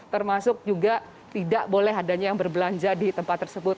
termasuk juga tidak boleh adanya yang berbelanja di tempat tersebut